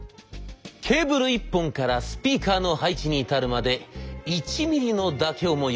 ケーブル一本からスピーカーの配置に至るまで１ミリの妥協も許さない。